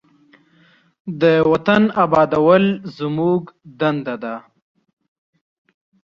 د وطن آبادول زموږ دنده ده.